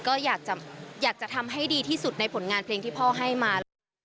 ก็อยากจะทำให้ดีที่สุดในผลงานเพลงที่พ่อให้มาเลย